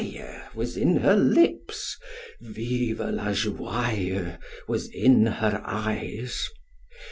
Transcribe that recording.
_ was in her lips—Viva la joia! was in her eyes.